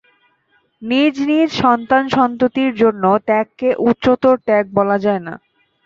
নিজ নিজ সন্তান-সন্ততির জন্য ত্যাগকে উচ্চতর ত্যাগ বলা যায় না।